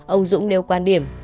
ông dũng nêu quan điểm